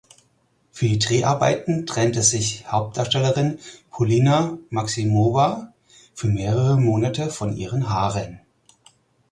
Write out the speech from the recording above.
Für die Dreharbeiten trennte sich Hauptdarstellerin Polina Maximowa für mehrere Monate von ihren Haaren.